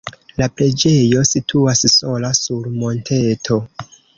La preĝejo situas sola sur monteto.